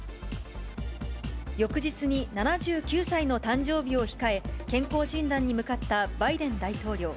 翌日に７９歳の誕生日を控え、健康診断に向かったバイデン大統領。